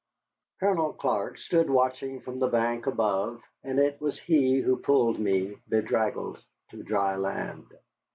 Colonel Clark stood watching from the bank above, and it was he who pulled me, bedraggled, to dry land.